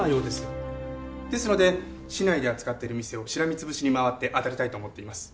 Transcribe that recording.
ですので市内で扱ってる店をしらみ潰しに回ってあたりたいと思っています。